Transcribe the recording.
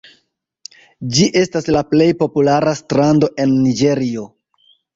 Ĝi estas la plej populara strando en Niĝerio.